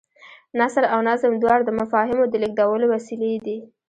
نثر او نظم دواړه د مفاهیمو د لېږدولو وسیلې دي.